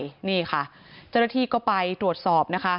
เจ้าหน้าที่ก็ไปตรวจสอบนะคะ